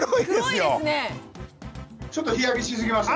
ちょっと日焼けしすぎまして。